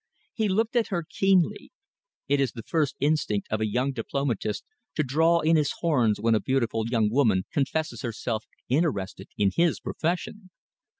He looked at her keenly. It is the first instinct of a young diplomatist to draw in his horns when a beautiful young woman confesses herself interested in his profession.